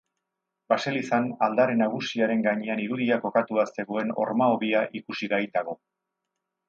Baselizan aldare nagusiaren gainean irudia kokatua zegoen horma-hobia ikusgai dago.